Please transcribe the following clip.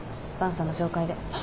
萬さんの紹介で。